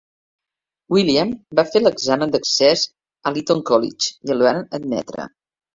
William va fer l'examen d'accés a l'Eton College i el van admetre.